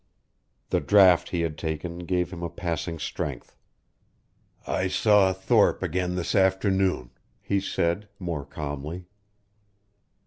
The draught he had taken gave him a passing strength. "I saw Thorpe again this afternoon," he said, more calmly.